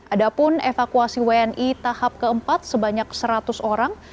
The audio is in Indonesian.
adapun evakuasi wni tahap keempat sebanyak seratus orang